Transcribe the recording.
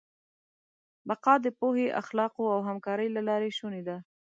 بقا د پوهې، اخلاقو او همکارۍ له لارې شونې ده.